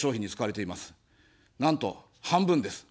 なんと半分です。